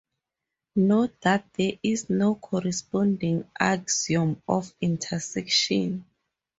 Note that there is no corresponding axiom of intersection.